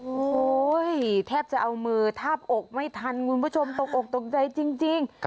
โอ้โหแทบจะเอามือทาบอกไม่ทันคุณผู้ชมตกออกตกใจจริง